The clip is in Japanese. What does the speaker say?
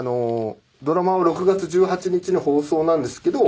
ドラマは６月１８日に放送なんですけど。